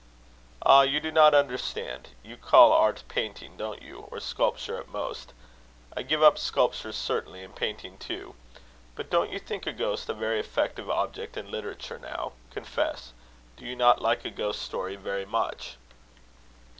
"Ah! you do not understand. You call art painting, don't you or sculpture at most? I give up sculpture certainly and painting too. But don't you think a ghost a very effective object in literature now? Confess: do you not like a ghost story very much?"